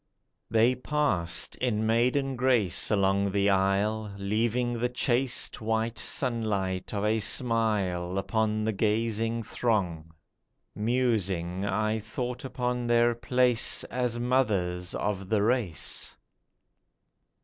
They passed in maiden grace along the aisle, Leaving the chaste white sunlight of a smile Upon the gazing throng. Musing I thought upon their place as mothers of the race.